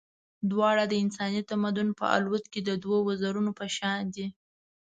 دواړه د انساني تمدن په الوت کې د دوو وزرونو په شان دي.